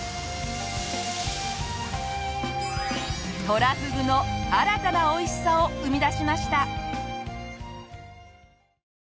トラフグの新たなおいしさを生み出しました！